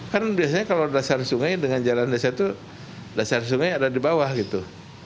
kan biasanya kalau dasar sungai dengan jalan desa itu dasar sungai ada di bawah gitu